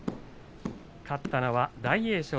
勝ったのは大栄翔。